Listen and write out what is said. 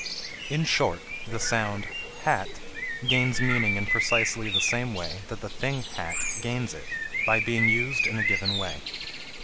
In short, the sound h a t gains meaning in precisely the same way that the thing "hat" gains it, by being used in a given way.